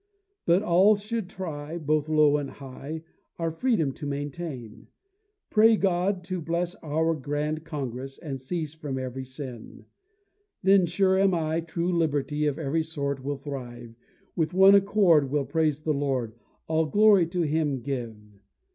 But all should try, both low and high, Our freedom to maintain; Pray God to bless our grand Congress, And cease from every sin. Then sure am I, true liberty Of every sort will thrive; With one accord we'll praise the Lord, All glory to Him give.